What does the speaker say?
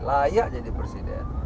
layak jadi presiden